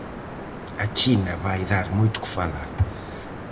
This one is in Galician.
A China vai dar moito que falar.